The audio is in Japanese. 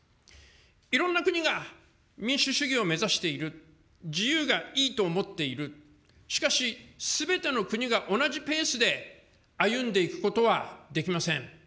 いろんな国が民主主義を目指している、自由がいいと思っている、しかし、すべての国が同じペースで歩んでいくことはできません。